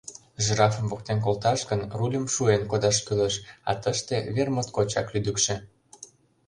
Жирафым поктен колташ гын, рульым шуэн кодаш кӱлеш, а тыште вер моткочак лӱдыкшӧ.